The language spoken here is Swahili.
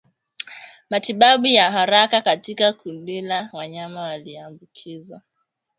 Matibabu ya haraka katika kundila wanyama walioambukizwa